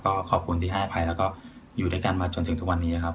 ก็ขอบคุณที่ให้อภัยแล้วก็อยู่ด้วยกันมาจนถึงทุกวันนี้ครับ